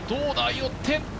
寄って。